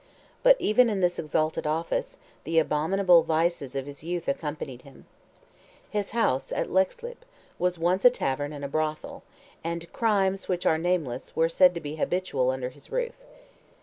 But even in this exalted office, the abominable vices of his youth accompanied him. His house at Leixlip, was at once a tavern and a brothel, and crimes, which are nameless, were said to be habitual under his roof.